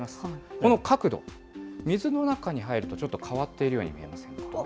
この角度、水の中に入るとちょっと変わっているように見えませんか。